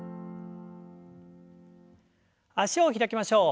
脚を開きましょう。